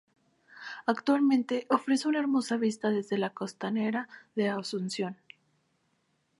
Actualmente ofrece una hermosa vista desde la costanera de Asunción.